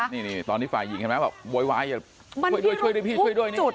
นี่ตอนที่ฝ่ายหญิงใช่ไหมว่าโวยวายช่วยด้วยพี่ช่วยด้วย